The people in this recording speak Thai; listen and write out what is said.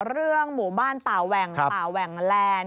เรื่องหมู่บ้านป่าแหว่งป่าแหว่งแลนด์